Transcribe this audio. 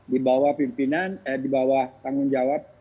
di bawah tanggung jawab